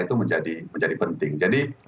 itu menjadi penting jadi